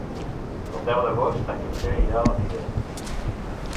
El deu d'agost en Guifré irà a la Figuera.